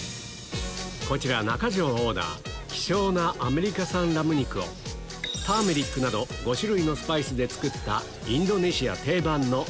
こちら中条オーダー希少なアメリカ産ラム肉をターメリックなど５種類のスパイスで作った丸２日